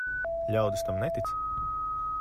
Ļaudis tam netic.